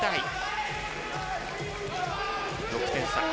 ６点差。